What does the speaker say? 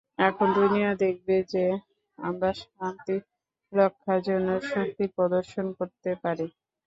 এখন দুনিয়া দেখবে যে, আমরা শান্তি রক্ষার জন্য শক্তির প্রদর্শন করতে পারি।